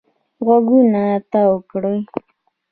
غوږونه تاو کړي.